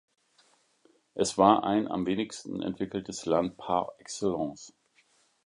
Es war ein am wenigsten entwickeltes Land par excellence.